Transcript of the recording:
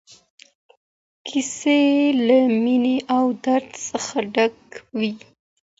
کيسې له مينې او درد څخه ډکې وې.